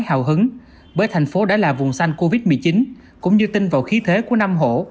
hào hứng bởi thành phố đã là vùng xanh covid một mươi chín cũng như tin vào khí thế của năm hộ